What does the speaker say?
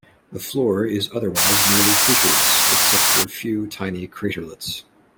The floor is otherwise nearly featureless, except for a few tiny craterlets.